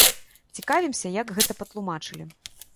Цікавімся, як гэта патлумачылі.